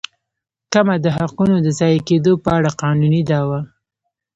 کمه د حقونو د ضایع کېدو په اړه قانوني دعوه.